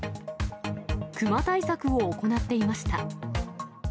クマ対策を行っていました。